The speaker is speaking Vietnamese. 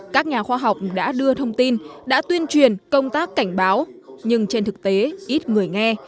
các nhà khoa học đã đưa thông tin đã tuyên truyền công tác cảnh báo nhưng trên thực tế ít người nghe